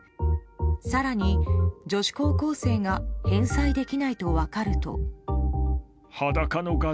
更に女子高校生が返済できないと分かると。